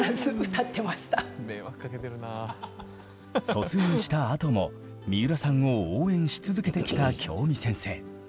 卒園したあとも三浦さんを応援し続けてきた京美先生。